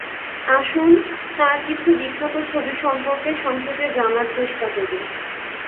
আসুন, তাঁর কিছু বিখ্যাত ছবি সম্পর্কে সংক্ষেপে জানার চেষ্টা করি।